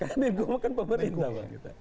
sk menkum bukan pemerintah bang